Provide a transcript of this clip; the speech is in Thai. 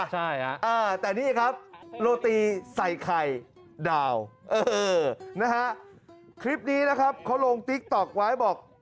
ใช่ฮะแต่นี่ครับโรตีใส่ไข่ดาวเออนะฮะคลิปนี้นะครับเขาลงติ๊กต๊อกไว้บอก